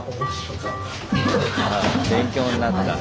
勉強になった。